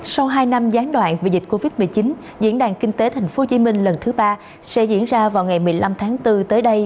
sau hai năm gián đoạn vì dịch covid một mươi chín diễn đàn kinh tế tp hcm lần thứ ba sẽ diễn ra vào ngày một mươi năm tháng bốn tới đây